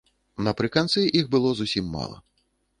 Напрыканцы іх было зусім мала.